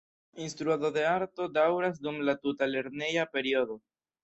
Instruado de arto daŭras dum la tuta lerneja periodo.